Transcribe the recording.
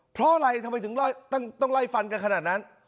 เพราะอะไรทำไมถึงต้องไล่ฟันกันขนาดนั้น